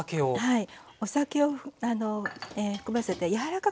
はい。